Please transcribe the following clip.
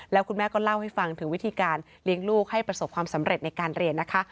แล้วคุณแม่ก็เล่าให้ฟังถึงวิธีการเลี้ยงลูกให้ประสบความสำเร็จในการเรียนนะคะ